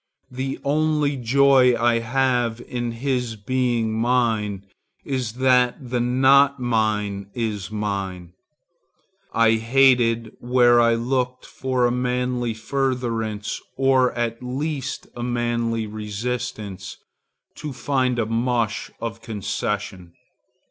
The only joy I have in his being mine, is that the not mine is mine. I hate, where I looked for a manly furtherance, or at least a manly resistance, to find a mush of concession.